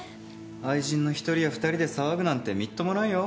愛人の１人や２人で騒ぐなんてみっともないよ。